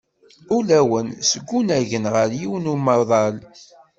Ulawen-sen unagen ɣer yiwen n umaḍal.